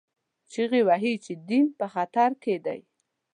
چیغې وهي چې دین په خطر کې دی